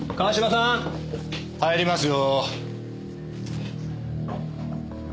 入りますよ。